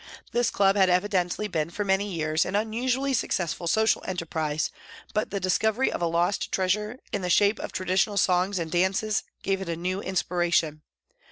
This club had evi dently been for many years an unusually successful social enterprise, but the discovery of a lost treasure in the shape of traditional songs and dances gave it a new inspiration.